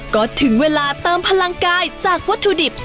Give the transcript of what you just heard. ก็ถึงเวลาเติมพลังกายจากวัตถุดิบ